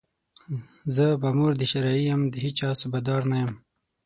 زه مامور د شرعي یم، د هېچا صوبه دار نه یم